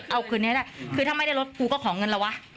เอาคืนนี้ได้คือถ้าไม่ได้รถกูก็ขอเงินแล้ววะ